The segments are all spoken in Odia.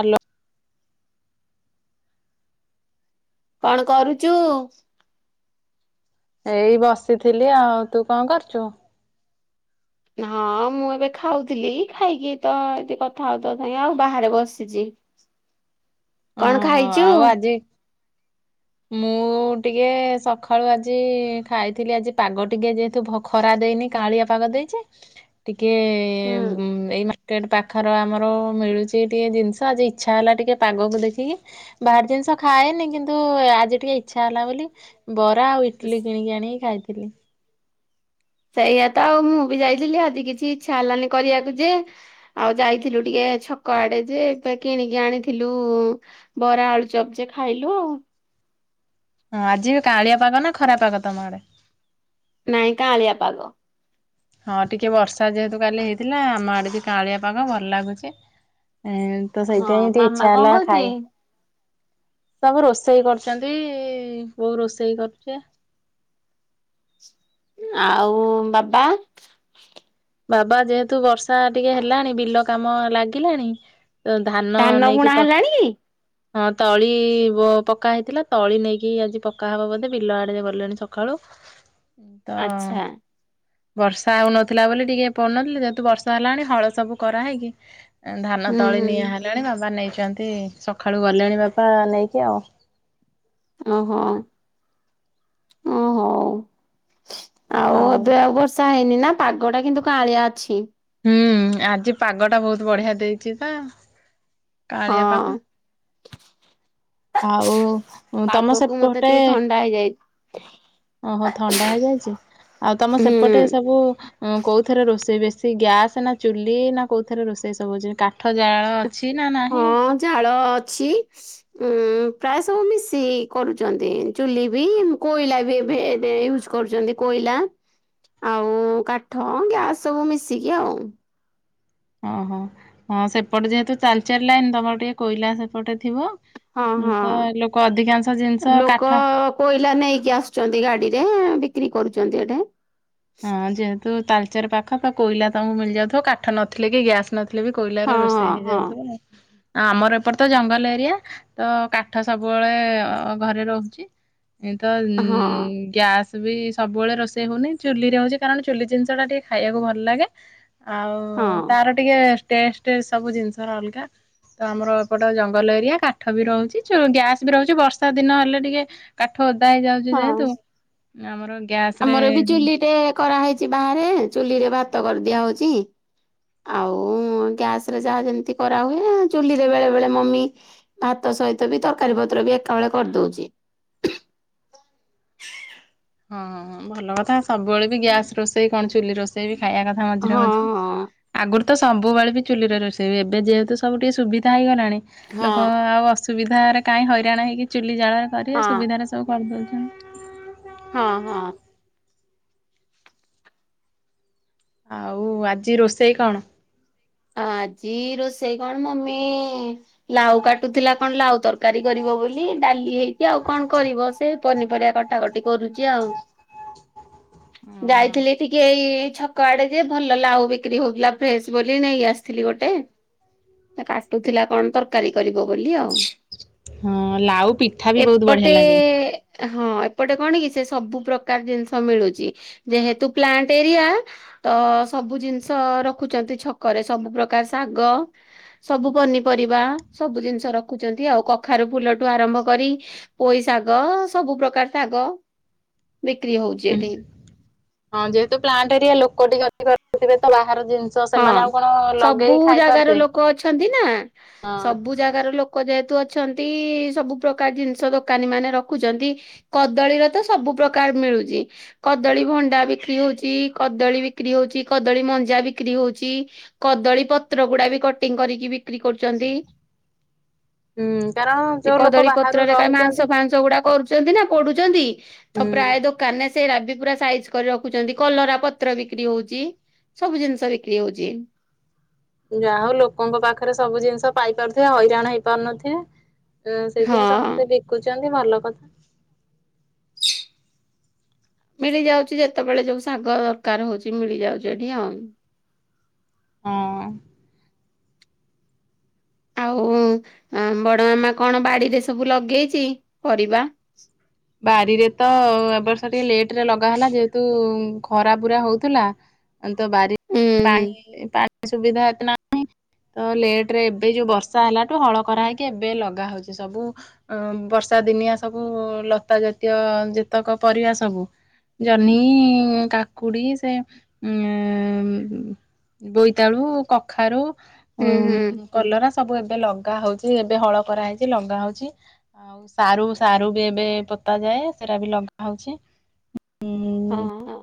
ହାଲୋ। କଣ କରୁଚୁ? ଏଇ ବସିଥିଲି। ଆଉ ତୁ କଁ କରୁଚୁ? ହଁ ମୁଁ ଏବେ ଖାଉଥିଲି ଖାଇକି ତ ଏଇଟି କଥା ହଉ ତୋ ସାଙ୍ଗେ ଆଉ ବାହାରେ ବସିଛି। ହ କଣ ଖାଇଚୁ? ମୁଁ ମୁଁ ଟିକେ ସଖାଳୁ ଆଜି ଖାଇଥିଲି ଆଜି ପାଗ ଟିକେ ଯେହେତୁ ଖରା ଦେଇନି କାହାଳିଆ ପାଗ ଦେଇଚି ଟିକେ ହୁଁ। ଉଁ ଏଇ ମାର୍କେଟ୍ ପା ଖର ଆମର ମିଳୁଛି ଟିକେ ଜିନିଷ ଆଜି ଇଚ୍ଛା ହେଲା ଟିକେ ପାଗକୁ ଦେଖିକି। ବାହାର ଜିନିଷ ଖାଏନି କିନ୍ତୁ ଆଜି ଟିକେ ଇଚ୍ଛା ହେଲା ବୋଲି ବରା ଆଉ ଇଟଲି କିଣିକି ଆଣିକି ଖାଇଥିଲି। ସେଇଆ ତ ଆଉ ମୁଁ ବି ଯାଇଥିଲି ଆଜି କିଛି ଇଚ୍ଛା ହେଲାନି କରିଆକୁ ଯେ ଆଉ ଯାଇଥିଲୁ ଟିକେ ଛକ ଆଡେ ଯେ ପେ କିଣିକି ଆଣିଥିଲୁ ବରା, ଆଳୁଚପ୍ ଯେ ଖାଇଲୁ ଆଉ। ହଁ ଆଜି ବି କାଉଁଳିଆ ପାଗ ନା ଖରା ପାଗ ତମ ଆଡେ? ନାଇଁ କାଆଁଳିଆ ପାଗ। ହଁ ଟିକେ ବର୍ଷା ଯେହେତୁ କାଲି ହେଇଥିଲା ଆମ ଆଡେ ବି କାଉଁଳିଆ ପାଗ ଭଲ୍ ଲାଗୁଚି ଏଁ ତ ହଁ ସେଇଥିପାଇଁ ଟିକେ ମାମା ଇଚ୍ଛା କଣ ହେଲା କରୁଛି? ଖାଇ ସବୁ ରୋଷେଇ କରୁଚନ୍ତି ବୋଉ ରୋଷେଇ କରୁଚି। ଆଉ ବାପା? ବାବା ଯେହେତୁ ବର୍ଷା ଟିକେ ହେଲାଣି ବିଲ କାମ ଲାଗିଲାଣି ତ ଧାନ ନେଇକି ବୁଣା ତ ହେଲାଣି? ହଁ ତଳି ବ ପକା ହେଇଥିଲା ତଳି ନେଇକି ଆଜି ପକାହବ ବୋଧେ ବିଲ ଆଡେ ଗଲେଣି ସଖାଳୁ। ତ ଆଚ୍ଛା ବର୍ଷା ହଉନଥିଲା ବୋଲି ଟିକେ ପଡୁନଥିଲି ଯେହେତୁ ବର୍ଷ ହେଲାଣି ହଳ ସବୁ କରାହେଇକି ଆଁ ଧାନ ହୁଁ ତଳି ହୁଁ ନିଆ ହେ ଲାଣି ବାବା ନେଇଚନ୍ତି ସଖାଳୁ ଗଲେଣି ବାପା ନେଇକି ଆଉ। ଓହୋ ଓ ହଉ। ଆଉ ଏବେ ଆଉ ବର୍ଷା ହେଇନି ନା ପାଗ ଟା କିନ୍ତୁ କାଆଁଳିଆ ଅଛି। ହୁଁ ଆଜି ପାଗ ଟା ବହୁତ୍ ବଢିଆ ଦେଇଚି ନା କାଆଁଳିଆ ହଁ। ପାଗ। ଆଉ ଉଁ ତମ ପାଗକୁ ମତେ ସେପଟେ [unintelligible] ଓହୋ ଥଣ୍ଡା ହେଇଯାଇଚି, ଆଉ ତମ ହୁଁ ସେପଟେ ସବୁ ଉଁ କୋଉଥେରେ ରୋଷେଇ ବେଶୀ ଗ୍ୟାସ୍ ନା ଚୁଲି ନା କୋଉଥେରେ ରୋଷେଇ ସବୁ ହଉଚି କାଠ ଜାଳ ଅ ଛି ନା ନାହିଁ? ଜାଳ ଅଛି। ଉଁ ପ୍ରାୟ ସବୁ ମିଶିକି କରୁଛନ୍ତି ଚୁଲି ବି କୋଇଲା ବି ଏବେ ଦେ ଇଉଜ୍ କରୁଚନ୍ତି କୋଇଲା ଆଉ କାଠ ଗ୍ୟାସ ସବୁ ମିଶିକି ଆଉ। ଓହୋ ହଁ ସେପଟେ ଯେହେତୁ ତାଳଚେର୍ ଲାଇନ୍ ତମର ଟିକେ କୋଇଲା ସେପଟେ ଥିବ। ହଁ ହଁ। ତ ଲୋକ ଅଧିକାଂଶ ଜିନିଷ ଲୋକ କାଠ କୋଇଲା ନେଇକି ଆସୁଚନ୍ତି ଗାଡିରେ ବିକ୍ରି କରୁଚନ୍ତି ଆଡେ। ହଁ ଯେହେତୁ ତାଳଚେର୍ ପାଖ ତ କୋଇଲା ତମକୁ ମିଳିଯାଉଥିବ କାଠ ନଥିଲେ ବି ଗ୍ୟାସ୍ ନଥିଲେ ବି ହଁ କୋଇଲାରେ ରୋଷେଇ ହଁ ହେଇଯାଉଥିବ। ଆମର ଏପଟ ତ ଜଙ୍ଗଲ ଏରିଆ ତ କାଠ ସବୁବେଳେ ଘରେ ରହୁଛି। ଏ ତ ଉଁ ହଁ ହଁ ଗ୍ୟାସ୍ ବି ସବୁବେଳେ ରୋଷେଇ ହଉନି। ଚୁଲିରେ ହଉଛି କାରଣ ଚୁଲି ଜିନିଷ ଟା ଟିକେ ଖାଇବାକୁ ଭଲ୍ ଲାଗେ, ଆଉ ହଁ ତାର ଟିକେ ଟେଷ୍ଟେ ସବୁ ଜିନିଷର ଅଲଗା। ତ ଆମର ଏପଟ ଜଙ୍ଗଲ ଏରିଆ କାଠ ବି ରହୁଚି ଗ୍ୟାସ୍ ବି ରହୁଚି ବର୍ଷା ଦିନ ହେଲେ ଟିକେ କାଠ ଓଦା ହେଇଯାଉଚି ହଁ। ଯେହେତୁ ଆମର ଗ୍ୟାସ ଆମର ବି ରେ ଚୁଲିଟେ କରାହେଇଚି ବାହାରେ, ଚୁଲି ରେ ଭାତ କରିଦିଆ ହଉଚି ଆଉ ଗ୍ୟାସ୍ ରେ ଯାହା ଯେମତି କରାହୁଏ, ଚୁଲିରେ ବେଳେ-ବେଳେ ମମି ଭାତ ସହିତ ବି ତରକାରୀ ପତ୍ର ବି ଏକାବଳେ କରିଦଉଚି। ହଁ-ହଁ-ହଁ ଭଲ କଥା ସବୁବେଳେ ବି ଗ୍ୟାସ୍ ରୋଷେଇ କଣ ଚୁଲି ରୋଷେଇ ବି ଖାଇବା କଥା। ଅଝିରେ ହଁ ମଝିରେ। ହଁ। ଆଗୁରୁ ତ ସବୁବେଳେ ବି ଚୁଲିରେ ରୋଷେଇ ହୁଏ। ଏବେ ଯେହେତୁ ସବୁ ଟିକେ ସୁବିଧା ହେଇଗଲାଣି ଲୋକ ହଁ। ଆଉ ଅସୁବିଧାରେ କାଇଁ ହଇରାଣ ହେଇକି ଚୁଲି ଜାଳ କରିବେ, ହଁ ସୁବିଧାରେ ସବୁ କରିଦୋଉଚନ୍ତି। ହୁଁ ହଁ ହଁ। ଆଉ ଆଜି ରୋଷେଇ କଣ? ଆଜି ରୋଷେଇ କଣ ମମି ଲାଉ କାଟୁଥିଲା କଣ ଲାଉ ତରକାରୀ କରିବ ବୋଲି ଡାଲି ହେଇକି ଆଉ କଣ କରିବ ସେ ପନିପରିବା କା ଟାକଟି କରୁଚି ଆଉ। ଯାଇଥିଲି ଟିକେ ଏଇ ଏଇ ଛକ ଆଡ଼େ ଯେ ଭଲ ଲାଉ ବିକ୍ରି ହୋଉଥୁଲା ଫ୍ରେଶ୍ ବୋ ଲି ନେଇ ଆସିଥିଲି ଗୋଟେ ସେ କାଟୁଥିଲା କଣ ତରକାରୀ କରିବ ବୋଲି ଆଉ। ହଁ ଲାଉ ପିଠା ବି ବୋହୁତ ଏପଟେ ବଢ଼ିଆ ଲାଗେ। ହଁ ଏପଟେ କଣ କି ସେ ସବୁ ପ୍ରକାର ଜିନିଷ ମିଳୁଚି, ଯେହେତୁ ପ୍ଲାଣ୍ଟ୍ ଏରିଆ ତ ସବୁ ଜିନିଷ ରଖୁଚନ୍ତି ଛକରେ। ସବୁ ପ୍ରକାର ଶାଗ ସବୁ ପନିପରିବା ସବୁ ଜିନିଷ ରଖୁଚନ୍ତି ଆଉ। କଖାରୁ ଫୁଲଠୁ ଆରମ୍ଭ କରି ପୋଇ ଶାଗ ସବୁ ପ୍ରକାର ଶାଗ ବିକ୍ରି ହୋଉଚି ଏଠି। ହଁ ଯେହେତୁ ପ୍ଲାଣ୍ଟ୍ ଏରିଆ ଲୋକ ଟିକେ ଅଧିକ ଥିବେ ତ ବାହାର ଜିନ୍ ହଁ ସବୁ ଜାଗାର ଲୋକ ଅଛନ୍ତି ନାଁ ହଁ ସବୁ ଜାଗାର ଲୋ କ ଯେହେତୁ ଅଛନ୍ତି ସବୁ ପ୍ରକାର ଜିନିଷ ଦୋକାନୀମାନେ ରଖୁଚନ୍ତି। କଦଳୀର ତ ସବୁ ପ୍ରକାର ମିଳୁଚି। କଦଳୀ ଭଣ୍ଡା ବିକ୍ରି ହୋଉଚି, କଦଳୀ ବିକ୍ରି ହୋଉଚି, କଦଳୀ ମଞ୍ଜା ବି କ୍ରି ହୋଉଚି କଦଳୀ ପତ୍ର ଗୁଡ଼ା ବି କଟିଂ କରିକି ବିକ୍ରି କରୁଚନ୍ତି। ହୁଁ କାରଣ ଯୋଉ ଲୋକ ବାହାରୁ ରହୁଚନ୍ତି ଆଂସ ଗୁଡ଼ା କରୁଚନ୍ତି ନାଁ ପୋଡ଼ୁଚନ୍ତି ତ ହୁଁ ପ୍ରାୟ ଦୋ କାନେ ସେରା ବି ପୁରା ସାଇଜ୍ କରି ରଖୁଚନ୍ତି କଲରା ପତ୍ର ବିକ୍ରି ହୋଉଚି। ସବୁ ଜିନ୍ ତ ବିକ୍ରି ହଉଚି। ଯା ହଉ ଲୋକଙ୍କ ପାଖରେ ସବୁ ଜିନିଷ ପାଇପାରୁଥିବେ ହଇରାଣ ହେଇପାରୁନଥିବେ। ତ ସେଇଥିଆଇଁ ହଁ ସମସ୍ତେ ବିକୁଚନ୍ତି ଭଲ କଥା। ମିଳିଯାଉଚି ଯେତବେଳେ ଯୋଉ ଶାଗ ଦରକାର ହଉଚି ମିଳିଯାଉଚି ଏଠି ଆଉ। ହଁ। ଆଉ ଅଁ ବୁଡ ମାମା କଣ ବାଡ଼ିରେ ସବୁ ଲଗେଇଚି ପରିବା? ବାରିରେ ତ ଏ ବର୍ଷ ଟିକେ ଲେଟ୍ ରେ ଲଗା ହେଲା ଯେହେତୁ ଖରା ପୁରା ହଉଥୁଲା। ଅଁ ତ ବାରି ହୁଁ ହୁଁ ପାଣି ଏ ପାଣି ସୁବିଧା ଏତେ ନାଇଁ। ତ ଲେଟ୍ ରେ ଏବେ ଯୋଉ ବର୍ଷା ହେଲାଠୁ ହଳ କରା ହେଇକି ଏବେ ଲଗା ହଉଚି ସବୁ। ଅଁ ବର୍ଷା ଦିନିଆ ସବୁ ଲତା ଜାତୀୟ ଯେତକ ପରିବା ସବୁ। ଜହ୍ନି କାକୁଡ଼ି ସେ ଉଁ ବୋଇତାଳୁ କଖାରୁ ଉଁ ହୁଁ ହୁଁ କଲରା ସବୁ ଏବେ ଲଗା ହଉଚି ଏବେ ହଳ କରାହେଇଚି ଲଗା ହଉଚି। ଆଉ ସାରୁ ସାରୁ ବି ଏବେ ପୋତା ଯାଏ ସେରା ବି ଲଗା ହଉଚି ଉଁ ହଁ।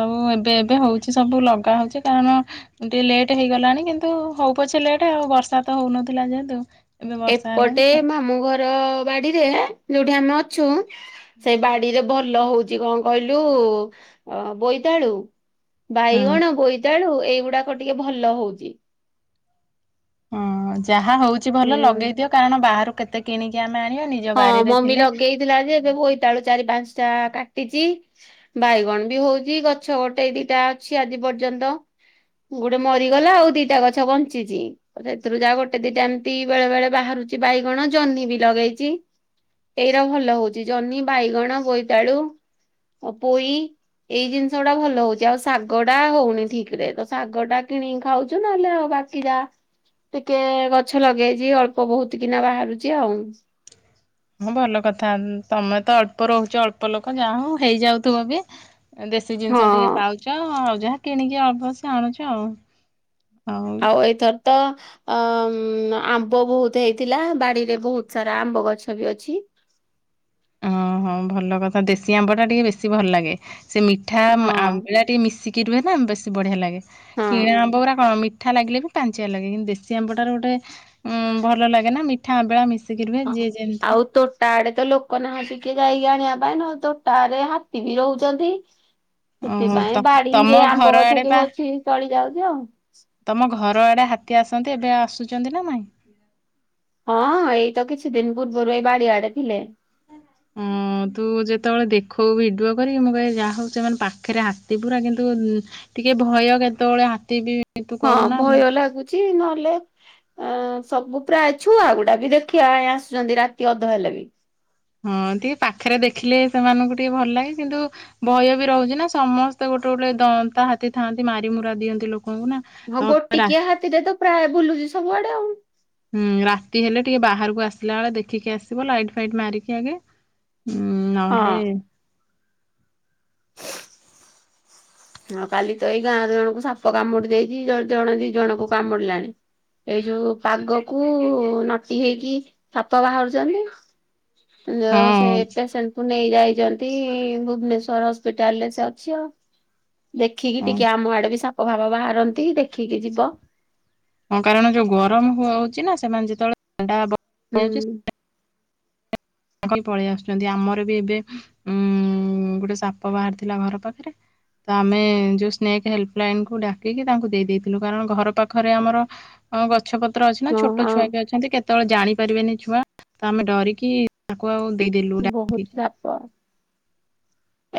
ତ ଏବେ ଏବେ ହଉଚି ସବୁ ଲଗା ହଉଚି କାରଣ ଟିକେ ଲେଟ୍ ହେଇଗଲାଣି, କିନ୍ତୁ ହଉ ପଛେ ଲେଟ୍ ଆଉ ବର୍ଷା ତ ହଉନଥୁଲା ଯେହେତୁ ଏବେ ବର୍ଷା ହେଲାଣି ଏପଟେ ହୁଁ ମାମୁଁ ଘର ବାଡ଼ିରେ ଯୋଉଠି ଆମେ ଅଛୁ ସେଇ ବାଡ଼ିରେ ଭଲ ହୋଉଚି କଁ କହିଲୁ ଅ ବୋଇତାଳୁ ବାଇଗଣ ବୋଇତାଳୁ ଏଇଗୁଡ଼ାକ ଟିକେ ଭଲ ହଉଚି। ହଁ ଯାହା ହଉଚି ଭଲ ହୁଁ ଲଗେଇଦିଅ କାରଣ ବାହାରୁ କେତେ କିଣିକି ଆମେ ଆଣିବା ନି ହଁ ମମି ଲଗେଇଥିଲା ଯେ ଏବେ ବୋଇତାଳୁ ଚାରି ପାଞ୍ଚଟା କାଟିଚି। ବାଇଗଣ ବି ହୋଉଚି ଗଛ ଗୋଟେ ଦିଟା ଅଛି ଆଜି ପର୍ଯ୍ୟନ୍ତ। ଗୋଟେ ମରିଗଲା ଆଉ ଦିଟା ଗଛ ବଞ୍ଚିଚି। ଅ ସେଥୁରୁ ଯାହା ଗୋଟେ ଦିଟା ଏମତି ବେଳେ ବେଳେ ବାହାରୁଚି ବାଇଗଣ ଜହ୍ନି ବି ଲଗେଇଚି। ଏଇରା ଭଲ ହଉଚି ଜହ୍ନି ବାଇଗଣ ବୋଇତାଳୁ ଅ ପୋଇ। ଏଇ ଜିନିଷ ଟା ଭଲ ହଉଚି ଆଉ ଶାଗ ଟା ହଉନି ଠିକ ରେ ତ ଶାଗ ଟା କିଣିକି ଖାଉଚୁ ନହେଲେ ଆଉ ବାକି କି ଯା ଟିକେ ଗଛ ଲଗେଇଛି ଅଳ୍ପ ବହୁତ କିନା ବାହାରୁଚି ଆଉ। ହଁ ଭଲ କଥା ତମେ ତ ଅଳ୍ପ ରହୁଚ ଅଳ୍ପ ଲୋକ ଯା ହଉ ହେଇଯାଉଥୁବ ବି। ଦେଶୀ ଜିନିଷ ଟିକେ ହଁ ପାଉଚ ଆଉ ଯାହା କିଣିକି ଅବଶ୍ୟ ଆଣୁଚ ଆଉ ଆଉ ଏଇଥର ତ ଆ ଉଁ ଆମ୍ବ ବହୁତ ହେଇଥିଲା ବାଡିରେ ବହୁତ ସାରା ଆମ୍ବ ଗଛ ବି ଅଛି। ଓହୋ ଭଲ କଥା ଦେଶୀ ଆମ୍ବ ଟା ଟିକେ ବେଶୀ ଭଲ ଲାଗେ ସେ ମିଠା ଆମ୍ ହଁ ଆମ୍ବିଳା ଟି ମିଶିକି କି ରୁହେ ନା ଉଁ ବେଶୀ ବଢ଼ିଆ ଲାଗେ କିଣା ହଁ। ଆମ୍ବ ଗୁରାକ ମିଠା ଲାଗିଲେ ବି ପାନିଚିଆ ଲାଗେ କିନ୍ତୁ ଦେଶୀ ଆମ୍ବଟାର ଗୋଟେ ଉଁ ଭଲ ଲାଗେ ନା ମିଠା ଆମ୍ବିଳା ମିଶା ହଁ ଆଉ ତୋ ତାଡେ ତ ଲୋକ ନାହାନ୍ତି କିଏ ଯାଇକି ଆଣିବା ପାଇଁ ନହଲେ ତୋଟା ଆଡେ ହାତୀ ବି ରହୁଚନ୍ତି। ଓହୋ ସେଥିପାଇଁ ତ ତମ ବାଡିରେ ଆମ୍ବ ଘର ଗଛ ଆଡେ ପା ଯଉ ଅଛି ଚଳି ଯାଉଚି ଆଉ। ତମ ଘର ଆଡେ ହାତୀ ଆସନ୍ତି ଏବେ ଆସୁଚନ୍ତି ନା ନାଇଁ? ହଁ ଏଇ ତ କିଛି ଦିନ ପୂର୍ବରୁ ଏଇ ବାଡିଆଡେ ଥିଲେ। ହଁ। ହଁ ତୁ ଯେତେବେଳେ ଦେଖଉ ଭିଡ଼ିଓ କରିକି ମୁଁ କହେ ଯାହା ହଉ ସେମାନେ ପାଖରେ ହାତୀ ପୁରା କିନ୍ତୁ ଟିକେ ଭୟ କେତେବେଳେ ହାତୀ ବି ତୁ ହଁ କହୁନା ମୁଁ ଭୟ ଲାଗୁଚି ନହେଲେ ଆଁ ସବୁ ପ୍ରାୟ ଛୁଆ ଗୁଡ଼ା ବି ଦେଖି ଆଇ ଆସୁଚନ୍ତି ରାତି ଅଧ ହେଲେ ବି। ହଁ ଟିକେ ପାଖରେ ଦେଖିଲେ ସେମାନଙ୍କୁ ଟିକେ ଭଲ ଲାଗେ। କିନ୍ତୁ ଭୟ ବି ରହୁଚି ନା ସମସ୍ତେ ଗୋଟେ ଗୋଟେ ଦନ୍ତା ହାତୀ ଥାନ୍ତି ମାରିମୁରା ଦିଅନ୍ତି ଲୋକଙ୍କୁ ନା। ତ ହଁ ରା ଗୋଟିକିଆ ହାତୀ ଟେ ତ ପ୍ରାୟ ବୁଲୁଚି ସବୁଆଡେ ଆଉ। ହୁଁ ରାତି ହେଲେ ଟିକେ ବାହାରକୁ ଆସିଲା ବେଳେ ଦେଖିକି ଆସିବ ଲାଇଟ ଫାଇଟ୍ ମାରିକି ଆଗେ। ଉୁଁ ନହେଲେ ହଁ। ହଁ କାଲି ତ ଏଇ ଗାଁରେ ଜଣଙ୍କୁ ସାପ କାମୁଡି ଦେଇଚି ଜଣ ଜଣେ ଦି ଜଣଙ୍କୁ କାମୁଡିଲାଣି। ଏଇ ଯୋଉ ପାଗ କୁ ନଟି ହେଇଚି ସାପ ବାହାରୁଚନ୍ତି। ଜ ସେ ହଁ ପେସେଣ୍ଟକୁ ନେଇ ଯାଇଚନ୍ତି ଭୁବନେଶ୍ଵର ହସ୍ପିଟାଲ ରେ ସେ ଅଛି ଆଉ। ଦେଖିକି ଟିକେ ଆମ ଆଡେ ବି ସାପ ଫାପ ବାହାରନ୍ତି ଦେଖିକି ଯିବ। ହଁ କାରଣ ଯୋଉ ଗରମ ହଉଚି ନା ସେମାନେ ଯେତେବେଳେ ହୁଁ। ଥଣ୍ଡା [unintelligible] ଅଙ୍କଲ୍ ପଳେଇ ଆସୁଚନ୍ତି ଆମର ବି ଏବେ ଉଁ ଗୋଟେ ସାପ ବାହାରିଥିଲା ଘର ପାଖରେ। ତ ଆମେ ଯେଉଁ ସ୍ନେକ୍ ହେଲ୍ପଲାଇନକୁ ଡାକିକି ତାଙ୍କୁ ଦେଇେ ଦେଇଥିଲୁ କାରଣ ଘର ପାଖରେ ଆମର ହ ଗଛ ପତ୍ର ଅଛି ନା ହଁ ଛୋଟ ହଁ ଛୁଆ ବି ଅଛନ୍ତି କେତେବେଳେ ଜାଣି ପାରିବେନି ଛୁଆ ତ ଆମେ ଡରିକି ତାକୁ ଆଉ ଦେଇଦେଲୁ। ଡାକିକି ବହୁତ ସାପ।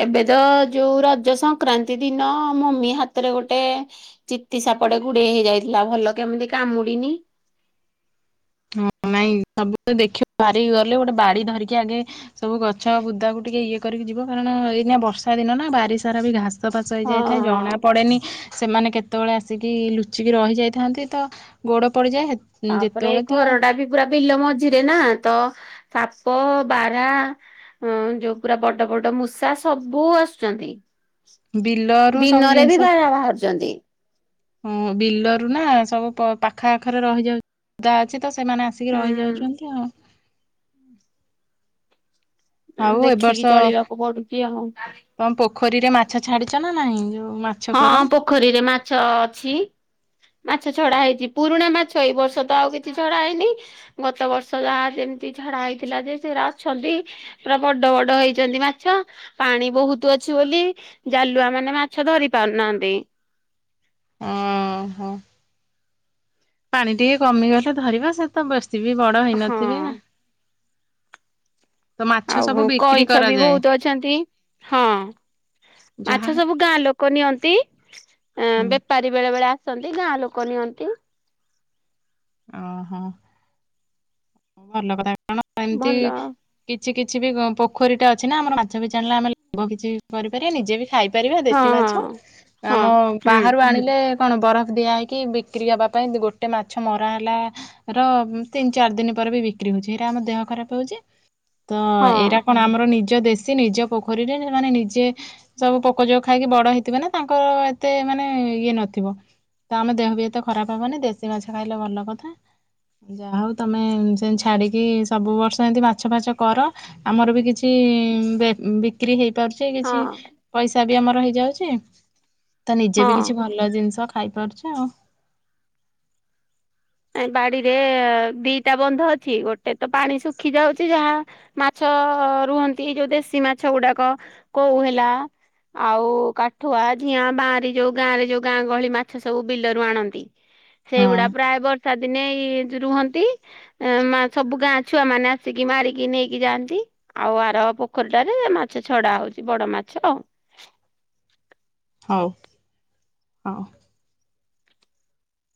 ଏବେ ତ ଯୋଉ ରଜ ସଂକ୍ରାନ୍ତି ଦିନ ମମି ହାତରେ ଗୋଟେ ଚିତି ସାପଟେ ଗୁଡେଇ ହେଇଯାଇଥିଲା ଭଲ କେମିତି କାମୁଡିନି। ହଁ ନାଇଁ ସବୁବେ ଦେଖ ବାହାରିକି ଗଲେ ଗୋଟେ ବାଡି ଧରିକି ଆଗେ ସବୁ ଗଛ ବୁଦାକୁ ଟିକେ ଇଏ କରିକି ଯିବ କାରଣ ଏଇନା ବର୍ଷା ଦିନ ନା ବାରି ସାରା ବି ଘାସ। ଘାସଫାସ ହଁ ହୋଇଯାଇଥାଏ ହଁ। ଜଣା ପଡ଼େନି ସେମାନେ କେତେବେଳେ ଆସିକି ଲୁଚିକି ରହିଯାଇଥାନ୍ତି ତ ଗୋଡ଼ ପଡ଼ିଯାଏ ହେତ୍ ହଁ ତାପରେ ଏଇ ଯେତେବେଳେ ତ ଘର ଟା ବି ପୁରା ବିଲ ମଝିରେ ନା ତ ସାପ ବାରାହା ହଁ ଯୋଉ ପୁରା ବଡ ବଡ ମୂଷା ସବୁ ଆସୁଛନ୍ତି। ବିଲରୁ ସବୁ ଦିନରେ ବି ଜିନିଷ ବାରା ବାହାରୁଛନ୍ତି। ହଁ ବିଲରୁ ନା ସବୁ ପାଖା ଆଖରେ ରହିଯାଉଛି। ବୁଦା ଅଛି ତ ସେମାନେ ଆସିକି ହୁଁ ରହିଯାଉଛନ୍ତି ଆଉ। ଆଉ ଏ ବର୍ଷ ଦେଖିକି ଚଳିବାକୁ ପଡୁଛି ଆଉ। ତମ ପୋଖରୀରେ ମାଛ ଛାଡିଛ ନା ନାହିଁ ଯୋଉ ମା ହଁ ପୋଖରୀରେ ମାଛ ଅଛି। ମାଛ ଛଡା ହେଇଛି ପୁରୁଣା ମାଛ ଏଇ ବର୍ଷ ତ ଆଉ କିଛି ଛଡା ହେଇନି। ଗତ ବର୍ଷ ଯାହା ଯେମିତି ଛଡା ହେଇଥିଲା ଯେ ସେରା ଅଛନ୍ତି। ପୁରା ବଡ ବଡ ହେଇଛନ୍ତି ମାଛ। ପାଣି ବହୁତ ଅଛି ବୋଲି ଜାଲୁଆ ମାନେ ମାଛ ଧରି ପାରୁନାହାନ୍ତି। ହଁ ହୋ। ପାଣି ଟିକେ କମିଗଲେ ଧରିବା ସେତ ବେଶୀ ବି ବଡ ହେଇନଥିବେ। ହଁ। ତ ମାଛ ସବୁ ଆଉ ବିକ୍ରି କଇଁଛ ବି କରାଯାଏ ବହୁତ ଅଛନ୍ତି ହଁ। ଯାହା ମାଛ ସବୁ ଗାଁ ଲୋକ ନିଅନ୍ତି ହୁଁ ଆ ପାରି ବେଳେ ବେଳେ ଆସନ୍ତି ଗାଁ ଲୋକ ନିଅନ୍ତି। ଅ ହଁ। ଭଲ କଥା କଣ ଏମିତି ଭଲ କିଛି କିଛି ବି ପୋଖରୀଟା ଅଛି ନା ଆମର ମାଛ ବି ଜାଣିଲେ ଆମେ ଲଙ୍ଗ କିଛି ବି କରିପାରିବା ନିଜେ ବି ଖାଇ ପାରିବା ହଁ ଦେଶୀ ମାଛ ହଁ। ହଁ ଆମ ହୁଁ ବାହାରୁ ଆଣିଲେ କଣ ବରଫ ଦିଆହଇକି ବିକ୍ରି ହେବା ପାଇଁ ଗୋଟେ ମାଛ ମରା ହେଲାର ତିନି ଚାରି ଦିନ ପରେ ବି ବିକ୍ରି ହଉଛି ଏଇଟା ଆମ ଦେହ ଖରାପ ହଉଛି ତ ଏଇଟ ହଁ। କଣ ଆମର ନିଜ ଦେସି ସେ ନିଜ ପୋଖରୀରେ ମାନେ ନିଜେ ସବୁ ପୋକ ଯଉ ଖାଇକି ବଡ ହେଇଥିବ ନା ତାଙ୍କର ଏତେ ମାନେ ଇଏ ନଥିବ। ତ ଆମ ଦେହ ବି ଏତେ ଖରାପ ହବନି ଦେଶୀ ମାଛ ଖାଇଲେ ଭଲ କଥା। ଯାହା ହଉ ତମେ ସେମିତି ଛାଡ଼ିକି ସବୁ ବର୍ଷ ଏମିତି ମାଛ ଫାଛ କର ଆମର ବି କିଛି ବେଁ ବି କ୍ରି ହେଇ ପାରୁଛି କିଛି ହଁ ପଇସା ବି ଆମର ହେଇଯାଉଛି ତ ନିଜେ ବି ହଁ କିଛି ଭଲ ଲ ଜିନିଷ ଖାଇପାରୁଛି ଆଉ। ଏ ବାଡିରେ ଦିଟା ବନ୍ଧ ଅଛି ଗୋଟେ ତ ପାଣି ଶୁଖି ଯାଉଛି ଯାହା ମାଛ ରୁହନ୍ତି ଯୋଉ ଦେଶୀ ମାଛ ଗୁଡାକ କୋଉ ହେଲା ଆଉ କାଠୁଆ, ଝିଆଁ ବାଁରି ଯୋଉ ଗାଁ ରେ ଯୋଉ ଗାଁ ଗହଳି ମାଛ ସବୁ ବିଲରୁ ଆଣନ୍ତି। [inaudible] ସେଇଗୁଡା ପ୍ରାୟ ବର୍ଷା ଦିନେଇ ରୁହନ୍ତି। ମା ସବୁ ଗାଁ ଛୁଆ ମାନେ ଆସିକି ମାରିକି ନେଇକି ଯାଆନ୍ତି। ଆଉ ଆର ପୋଖରୀଟାରେ ମାଛ ଛଡା ହଉଛି ବଡ ମାଛ ଆଉ। ହଉ ହଉ।